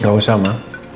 gak usah ma